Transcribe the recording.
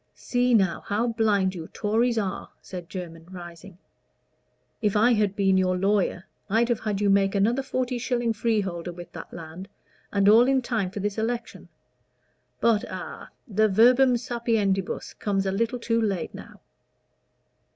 "See now, how blind you Tories are," said Jermyn, rising; "if I had been your lawyer, I'd have had you make another forty shilling freeholder with that land, and all in time for this election. But a the verbum sapientibus comes a little too late now."